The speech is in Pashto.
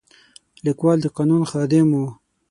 لیکوال د قانون خادم و.